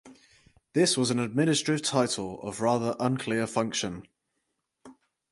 This was an administrative title of rather unclear function.